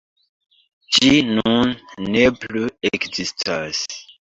Ĝi nun ne plu ekzistas.